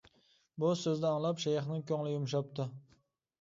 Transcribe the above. بۇ سۆزنى ئاڭلاپ شەيخنىڭ كۆڭلى يۇمشاپتۇ.